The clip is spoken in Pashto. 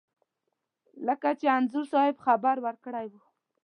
لکه چې انځور صاحب خبر ورکړی و.